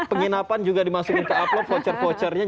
penginapan juga dimasukin ke uploa voucher vouchernya